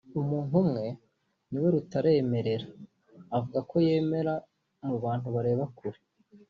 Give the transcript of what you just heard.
umuntu umwe niwe Rutaremara avuga ko yemera “mu bantu bareba kure”